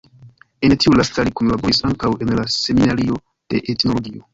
En tiu lasta li kunlaboris ankaŭ en la Seminario de Etnologio.